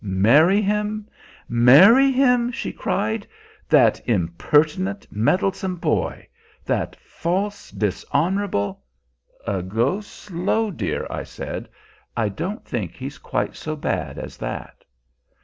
"Marry him! marry him!" she cried. "That impertinent, meddlesome boy! That false, dishonorable" "Go slow, dear," I said. "I don't think he's quite so bad as that."